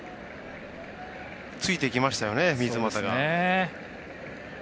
ついていきましたよね、三ツ俣が。